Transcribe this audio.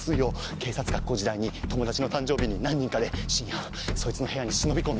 警察学校時代に友達の誕生日に何人かで深夜そいつの部屋に忍び込んで。